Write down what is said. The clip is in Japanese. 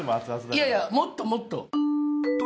いやいやもっともっと！